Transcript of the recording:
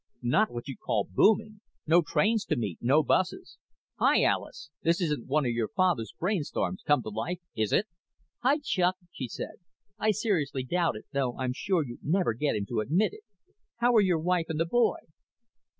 "Not what you'd call booming. No trains to meet. No buses. Hi, Alis. This isn't one of your father's brainstorms come to life, is it?" "Hi, Chuck," she said. "I seriously doubt it, though I'm sure you'd never get him to admit it. How are your wife and the boy?"